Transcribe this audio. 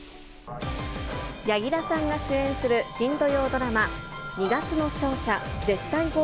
柳楽さんが主演する新土曜ドラマ、二月の勝者ー